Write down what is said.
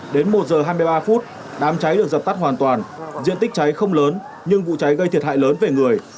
đến một giờ hai mươi ba phút đám cháy được dập tắt hoàn toàn diện tích cháy không lớn nhưng vụ cháy gây thiệt hại lớn về người